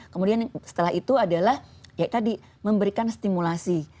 kemudian setelah itu adalah ya tadi memberikan stimulasi